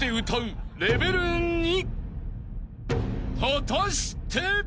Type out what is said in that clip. ［果たして？］